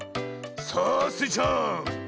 さあスイちゃん。